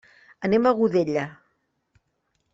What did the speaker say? Anem a Godella.